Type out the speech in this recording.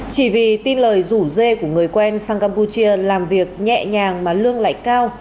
chỉ vì tin lời rủ dê của người quen sang campuchia làm việc nhẹ nhàng mà lương lại cao